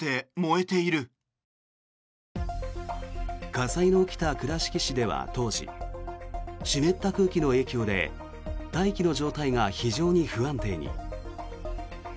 火災の起きた倉敷市では当時湿った空気の影響で大気の状態が非常に不安定に。